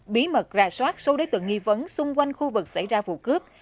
bí mật ra soát số đối tượng nghi vấn xung quanh khu vực xảy ra vụ cướp